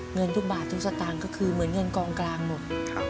เงินทุกบาททุกสตางค์ก็คือเหมือนเงินกองกลางหมด